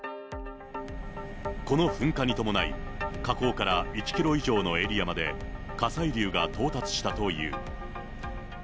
この噴火に伴い、火口から１キロ以上のエリアまで火砕流が到達したという。